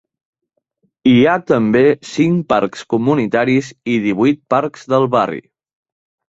Hi ha també cinc parcs comunitaris i divuit parcs del barri.